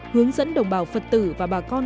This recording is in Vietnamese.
hướng dẫn đồng bào phật tử và bà con